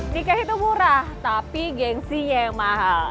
nikah itu murah tapi gengsinya yang mahal